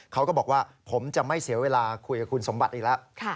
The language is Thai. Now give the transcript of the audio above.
เขาก็บอกว่าผมจะไม่เสียเวลาคุยกับคุณสมบัติอีกแล้ว